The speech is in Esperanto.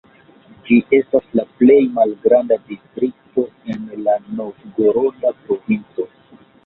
Ĝi estas la plej malgranda distrikto en la Novgoroda provinco.